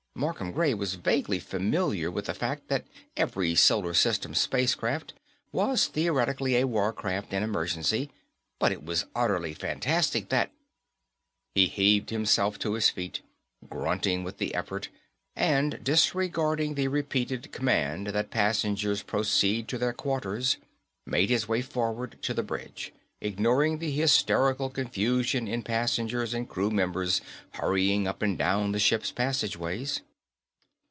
Markham Gray was vaguely familiar with the fact that every Solar System spacecraft was theoretically a warcraft in emergency, but it was utterly fantastic that He heaved himself to his feet, grunting with the effort, and, disregarding the repeated command that passengers proceed to their quarters, made his way forward to the bridge, ignoring the hysterical confusion in passengers and crew members hurrying up and down the ship's passageways.